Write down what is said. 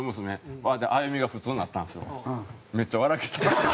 こうやって歩みが普通になったんですよ。